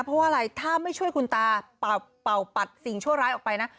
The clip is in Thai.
เพราะว่าอะไรถ้าไม่ช่วยคุณตาเป่าปัดสิ่งชั่วร้ายออกไปนะ